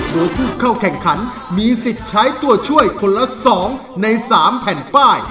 โดยผู้เข้าแข่งขันมีสิทธิ์ใช้ตัวช่วยคนละ๒ใน๓แผ่นป้าย